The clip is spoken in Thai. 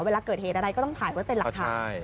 เวลาเกิดเหตุอะไรก็ต้องถ่ายไว้เป็นหลักฐาน